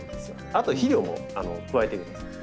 あと肥料も加えてください。